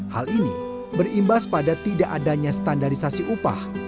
hal ini berimbas pada tidak adanya standarisasi upah